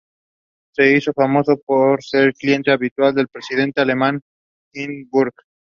Se hizo famoso por ser cliente habitual el presidente alemán Hindenburg.